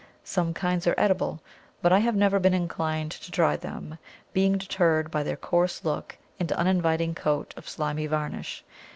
Some kinds are edible, but I have never been inclined to try them, being deterred by their coarse look and uninviting coat of slimy varnish.